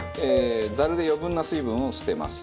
ザルで余分な水分を捨てます。